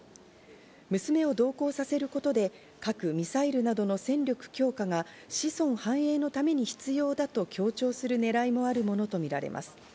娘を同行させることで、核・ミサイルなどの戦力強化が子孫繁栄のために必要だと強調する狙いもあるものとみられます。